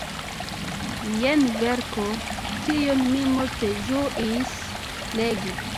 Jen verko, kiun mi multe ĝuis legi.